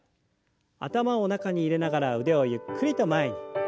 頭を中に入れながら腕をゆっくりと前に。